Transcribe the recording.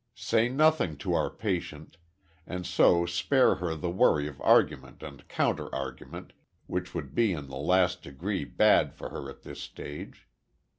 Say nothing to our patient and so spare her the worry of argument and counter argument, which would be in the last degree bad for her at this stage.